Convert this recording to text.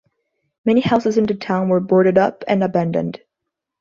Many houses in the town were boarded up and abandoned.